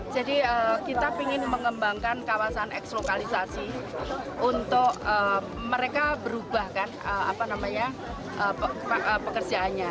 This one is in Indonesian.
jadi kita ingin mengembangkan kawasan eks lokalisasi untuk mereka berubahkan pekerjaannya